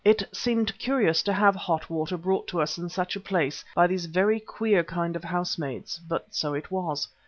It seemed curious to have hot water brought to us in such a place by these very queer kind of housemaids, but so it was.